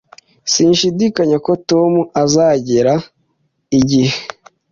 Sinshidikanya ko Tom azagera igihe